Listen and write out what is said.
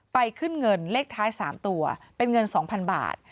ไปขึ้นเงินเลขท้ายสามตัวเป็นเงินสองพันบาท